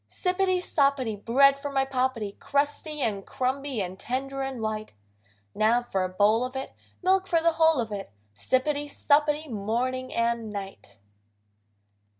Sippity, soppity, Bread for my Poppety, Crusty and crumby and tender and white: Now for a bowl of it! Milk for the whole of it! Sippity, suppity, morning and night.